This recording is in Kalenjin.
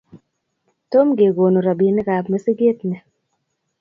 Tomo kekonu robinikab misiget ni